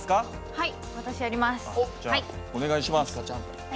はい。